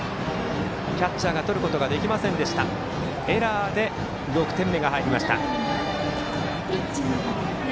キャッチャーがとることができずエラーで６点目が入りました。